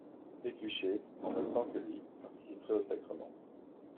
Pécuchet, en même temps que lui, participerait au sacrement.